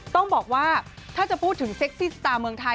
ต้องบอกว่าถ้าจะพูดถึงเซ็กซี่สตาร์เมืองไทย